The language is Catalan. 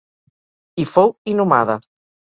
Hi fou inhumada.